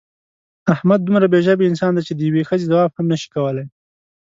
احمد دومره بې ژبې انسان دی چې د یوې ښځې ځواب هم نشي کولی.